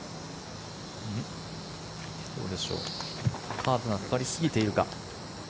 カーブがかかりすぎているか。